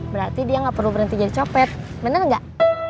berarti dia gak perlu berhenti jadi copet menang gak